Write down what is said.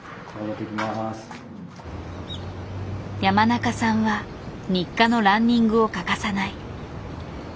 山中さんは日課のランニングを欠かさない。